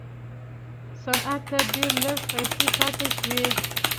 صنعت ته ډېرې لږې پیسې پاتې شوې.